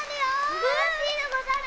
・すばらしいでござる！